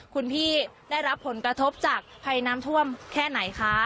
คุณพี่ได้รับผลกระทบจากภัยน้ำท่วมแค่ไหนคะ